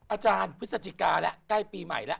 อาจารย์พฤศจิกาละใกล้ปีใหม่ละ